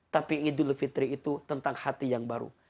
tapi idul fitri itu tentang hati yang baru